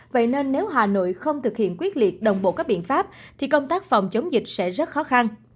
vậy nên nếu hà nội không thực hiện quyết liệt đồng bộ các biện pháp thì công tác phòng chống dịch sẽ rất khó khăn